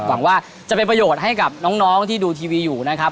หวังว่าจะเป็นประโยชน์ให้กับน้องที่ดูทีวีอยู่นะครับ